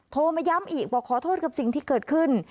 โทรมาย้ำอีกบอกขอโทษกับสิ่งที่เกิดขึ้น